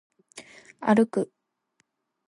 歩く